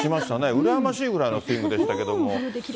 うらやましいぐらいのスイングでしたけれども。